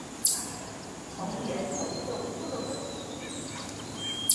从源头就出了问题